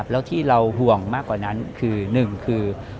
แล้วที่เราห่วงมากกว่านั้นคือ